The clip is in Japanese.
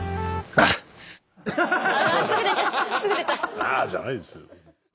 「あっ」じゃないですよ。